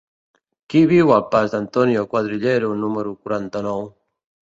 Qui viu al pas d'Antonio Cuadrillero número quaranta-nou?